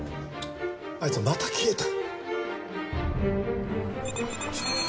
あいつまた消えた。